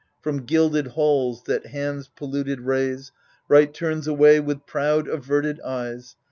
From gilded halls, that hands polluted raise, Right turns away with proud averted eyes.